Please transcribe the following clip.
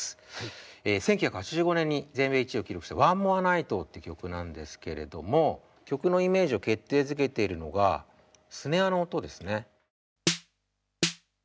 １９８５年に全米１位を記録した「ＯｎｅＭｏｒｅＮｉｇｈｔ」って曲なんですけれども曲のイメージを決定づけているのがスネアの音ですね。